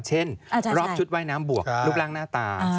เช่นรอบชุดว่ายน้ำรอบรักหน้าตา